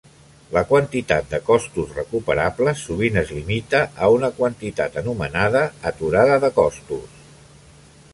La quantitat de costos recuperables sovint es limita a una quantitat anomenada "aturada de costos".